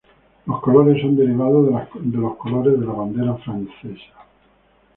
Los colores son derivados de los colores de la bandera francesa.